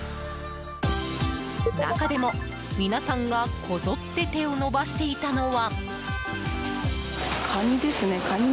中でも、皆さんがこぞって手を伸ばしていたのは。